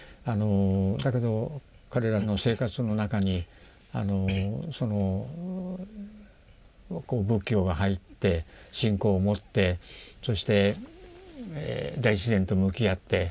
だけど彼らの生活の中に仏教が入って信仰を持ってそして大自然と向き合っている。